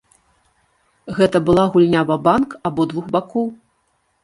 Гэта была гульня ва-банк абодвух бакоў.